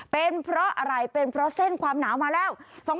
เป็นเพราะอะไรเป็นเพราะเส้นความหนาวมาแล้ว